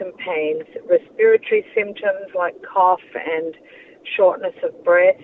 dan penyakit respiratif seperti kakit dan kekurangan berat